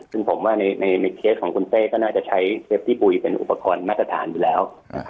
ซึ่งผมว่าในเคสของคุณเต้ก็น่าจะใช้เชฟตี้บุยเป็นอุปกรณ์มาตรฐานอยู่แล้ว